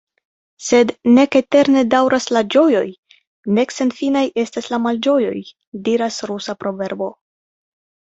Sed « nek eterne daŭras la ĝojoj, nek senfinaj estas la malĝojoj », diras rusa proverbo.